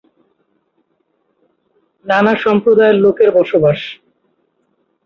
নানা সম্প্রদায়ের লোকের বসবাস।